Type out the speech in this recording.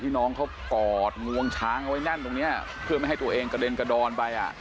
น้องเขากอดงวงช้างเอาไว้แน่นตรงเนี้ยเพื่อไม่ให้ตัวเองกระเด็นกระดอนไปอ่ะ